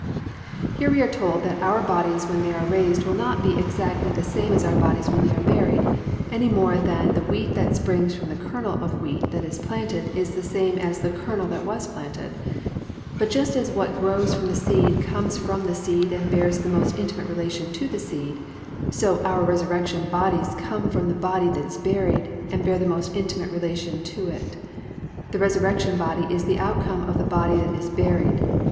"+ Here we are told that our bodies when they are raised will not be exactly the same as our bodies when they are buried, any more than the wheat that springs from the kernel of wheat that is planted is the same as the kernel that was planted. But just as what grows from the seed comes from the seed and bears the most intimate relation to the seed, so our resurrection bodies come from the body that is buried and bear the most intimate relation to it. The resurrection body is the outcome of the body that is buried.